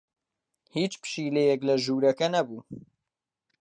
هیچ پشیلەیەک لە ژوورەکە نەبوو.